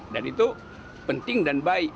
dan itu penting dan baik